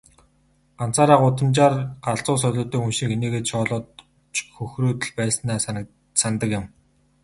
Ганцаараа гудамжаар галзуу солиотой хүн шиг инээгээд, шоолоод ч хөхрөөд л байснаа санадаг юм.